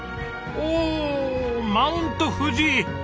おおマウント富士！